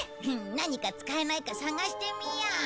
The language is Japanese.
何か使えないか探してみよう。